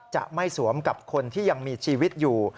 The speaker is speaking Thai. จะไม่สวมกับคนที่ยังมีชีวิตอยู่